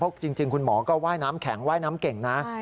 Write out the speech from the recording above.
จริงคุณหมอก็ว่ายน้ำแข็งว่ายน้ำเก่งนะ